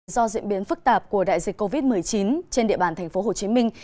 do diễn biến phức tạp của đại dịch covid một mươi chín trên địa bàn thành phố hồ chí minh